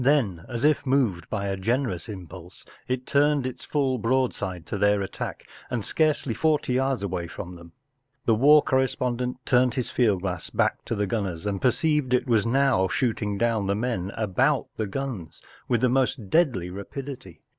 Then, as if moved by a generous impulse, it turned its full broad¬ side to their attack, and scarcely forty yards away from them. The war correspondent turn^i his. field glass back to the Runners and j6o THE STRAND MAGAZINE. perceived it was now shooting down the men about tine guns with the most deadly rapidity.